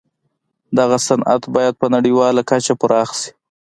دغه صنعت باید په نړیواله کچه پراخ شي